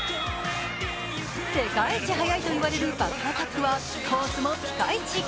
世界一速いと言われるバックアタックはコースもピカイチ。